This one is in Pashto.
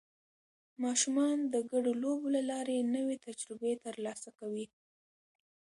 ماشومان د ګډو لوبو له لارې نوې تجربې ترلاسه کوي